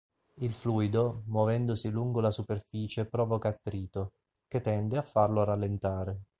Il fluido, muovendosi lungo la superficie provoca attrito, che tende a farlo rallentare.